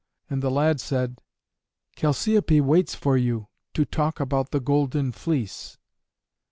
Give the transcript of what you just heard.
And the lad said, "Chalciope waits for you, to talk about the Golden Fleece."